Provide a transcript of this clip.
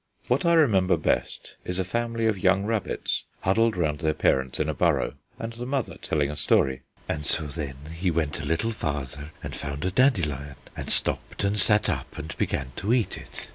What I remember best is a family of young rabbits huddled round their parents in a burrow, and the mother telling a story: "And so then he went a little farther and found a dandelion, and stopped and sat up and began to eat it.